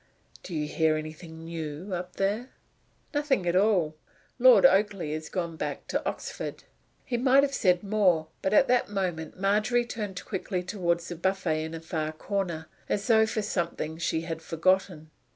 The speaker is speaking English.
"Do you hear anything new up there?" "Nothing at all. Lord Oakleigh has gone back to Oxford." He might have said more, but at that moment Margery turned quickly toward the buffet in a far corner, as though for something she had forgotten.